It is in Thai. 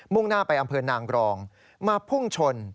่งหน้าไปอำเภอนางกรองมาพุ่งชน